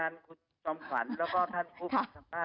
โอเคครับไม่มีปัญหาขออนุญาตรายงาน